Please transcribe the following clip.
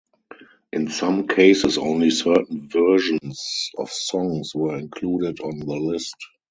In some cases, only certain versions of songs were included on the list.